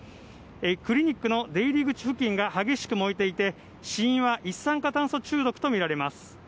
クリニックの出入り口付近が激しく燃えていて死因は一酸化炭素中毒とみられます。